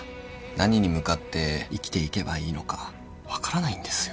何に向かって生きていけばいいのか分からないんですよ。